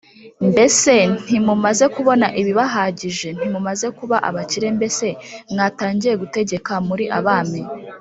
Mbese ntimumaze kubona ibibahagije Ntimumaze kuba abakire Mbese mwatangiye gutegeka muri abami